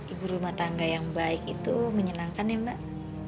ibu rumah tangga yang baik itu menyenangkan ya mbak